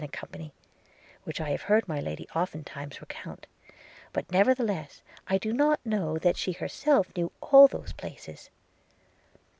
– which I have heard my Lady oftentimes recount: but, nevertheless, I do not know that she herself knew all those places.